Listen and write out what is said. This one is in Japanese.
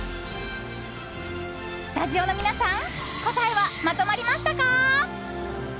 スタジオの皆さん答えはまとまりましたか？